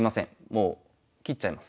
もう切っちゃいます。